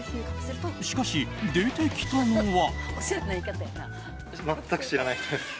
しかし、出てきたのは。